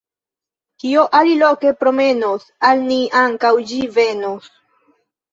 Kio aliloke promenos, al ni ankaŭ ĝi venos.